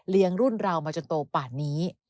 เลี้ยงรุ่นเรามาจนโตป่านนี้